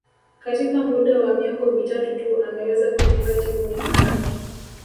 Katika muda wa miongo mitatu tu ameweza kujenga timu imara